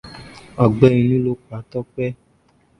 Ọgbẹ́ inú ló pa Tọ́pẹ́.